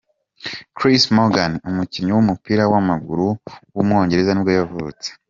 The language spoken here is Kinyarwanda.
Chris Morgan, umukinnyi w’umupira w’amaguru w’umwongereza nibwo yavutse.